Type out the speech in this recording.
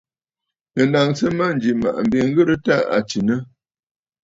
Nɨ̀ naŋsə mânjì M̀màꞌàmb ŋ̀ghɨrə t à tsinə!.